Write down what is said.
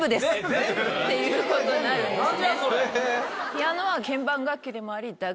ピアノは鍵盤楽器でもあり打